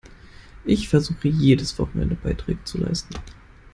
Ich versuche, jedes Wochenende Beiträge zu leisten.